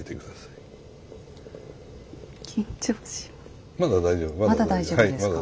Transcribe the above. はいまだ大丈夫。